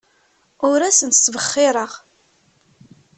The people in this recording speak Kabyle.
Ur asen-ttbexxireɣ.